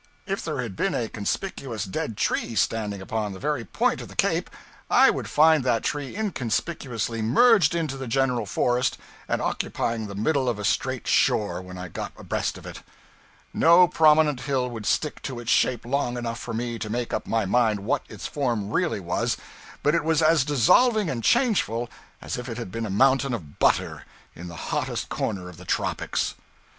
If there had been a conspicuous dead tree standing upon the very point of the cape, I would find that tree inconspicuously merged into the general forest, and occupying the middle of a straight shore, when I got abreast of it! No prominent hill would stick to its shape long enough for me to make up my mind what its form really was, but it was as dissolving and changeful as if it had been a mountain of butter in the hottest corner of the tropics.